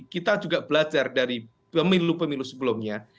kita juga belajar dari pemilu pemilu sebelumnya